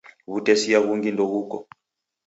W'utesia ghungi ndeghuko.